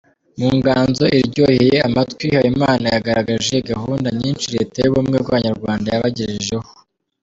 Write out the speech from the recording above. Mu nganzo iryoheye amatwi, Habimana yagaragaje gahunda nyinshi leta y’ubumwe bw’Abanyarwanda yabagejejeho.